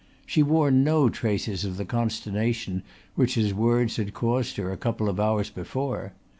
She wore no traces of the consternation which his words had caused her a couple of hours before.